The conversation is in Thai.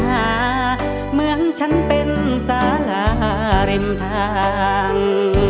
เหมือนฉันเป็นสาราริมทาง